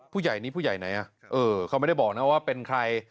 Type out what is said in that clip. ผู้ใหญ่นี้ผู้ใหญ่ไหนเขาไม่ได้บอกนะว่าเป็นใคร